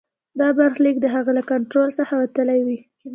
دا برخلیک د هغه له کنټرول څخه وتلی وي.